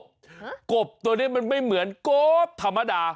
กบตัวนี้มันไม่เหมือนกบธรรมดา